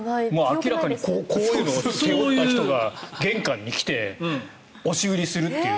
明らかにこういうのを背負った人が玄関に来て押し売りするという。